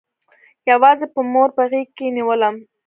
يوازې به مور په غېږ کښې نېولم.